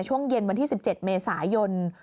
ช่วงเย็นวันที่๑๗เมษายน